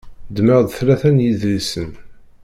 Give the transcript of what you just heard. Ddmeɣ-d tlata n yidlisen.